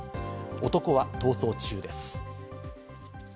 男は逃走中です。